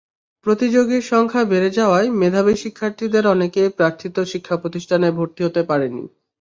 প্রতিযোগীর সংখ্যা বেড়ে যাওয়ায় মেধাবী শিক্ষার্থীদের অনেকেই প্রার্থিত শিক্ষাপ্রতিষ্ঠানে ভর্তি হতে পারেনি।